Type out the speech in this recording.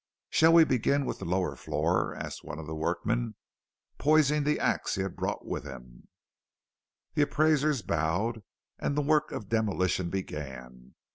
"Shall we begin with the lower floor?" asked one of the workmen, poising the axe he had brought with him. The Appraisers bowed, and the work of demolition began.